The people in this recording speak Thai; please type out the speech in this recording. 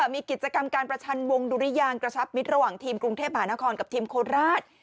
มีกิจกรรมการประชันวงดุริยางกระชับมิตรระหว่างทีมกรุงเทพหานครกับทีมโคราช